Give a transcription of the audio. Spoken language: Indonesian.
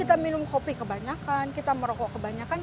kita minum kopi kebanyakan kita merokok kebanyakan